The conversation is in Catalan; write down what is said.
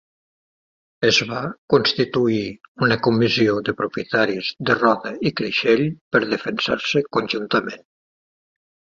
Es va constituir una comissió de propietaris de Roda i Creixell per defensar-se conjuntament.